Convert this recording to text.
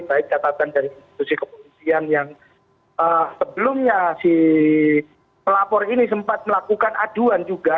baik catatan dari institusi kepolisian yang sebelumnya si pelapor ini sempat melakukan aduan juga